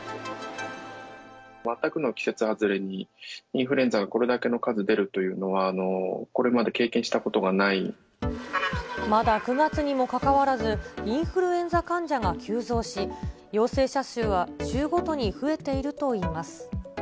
全くの季節外れに、インフルエンザがこれだけの数出るというのは、これまで経験したことがなまだ９月にもかかわらず、インフルエンザ患者が急増し、陽性者数は週ごとに増えているといいます。